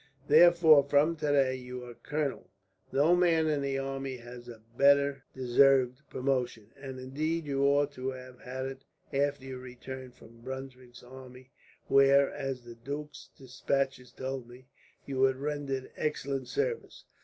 Therefore, from today you are colonel. No man in the army has better deserved promotion, and indeed you ought to have had it after you returned from Brunswick's army where, as the duke's despatches told me, you had rendered excellent service.